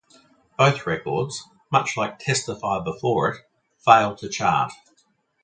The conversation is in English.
Both records, much like "Testify" before it, failed to chart.